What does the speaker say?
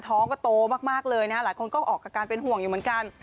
ท้องก็โตมากเลยนะหลายคนก็ออกอาการเป็นห่วงอยู่เหมือนกัน